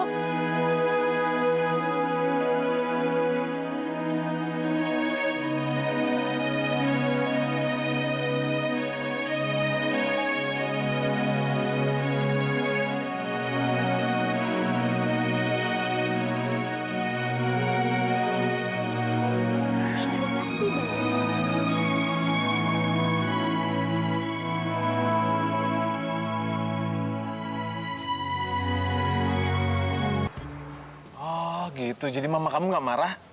negara tentang pengembangan camara